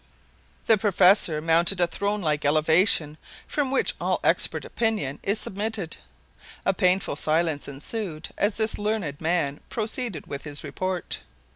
The professor mounted a throne like elevation from which all expert opinion is submitted. A painful silence ensued as this learned man proceeded with his report.